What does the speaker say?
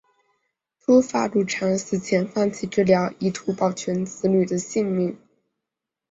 秃发傉檀死前放弃治疗以图保全子女的性命。